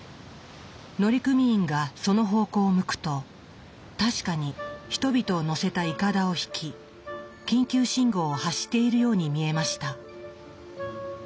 乗組員がその方向を向くと確かに人々を乗せたいかだを引き緊急信号を発しているように見えました。